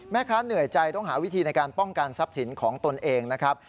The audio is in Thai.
เหนื่อยใจต้องหาวิธีในการป้องกันทรัพย์สินของตนเองนะครับ